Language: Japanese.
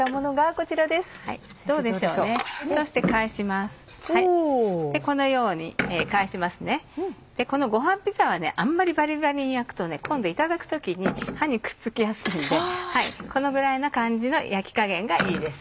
このごはんピザはあんまりバリバリに焼くと今度いただく時に歯にくっつきやすいのでこのぐらいな感じの焼き加減がいいです。